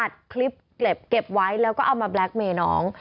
อัดคลิปเก็บไว้แล้วก็เอามาแบล็คเมย์น้อง